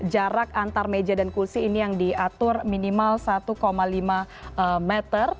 jarak antar meja dan kursi ini yang diatur minimal satu lima meter